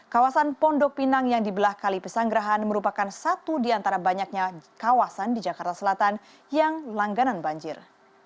kawasan pondok pinang yang dibelah kali pesanggerahan merupakan satu di antara banyaknya kawasan di jakarta selatan yang langganan banjir